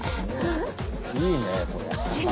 いいねこれ。